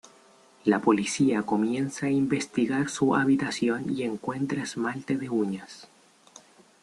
La policía comienza a investigar su habitación y encuentra esmalte de uñas.